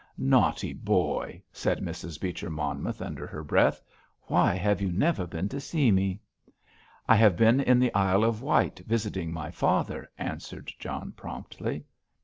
"Naughty boy," said Mrs. Beecher Monmouth under her breath. "Why have you never been to see me?" "I have been in the Isle of Wight visiting my father," answered John promptly.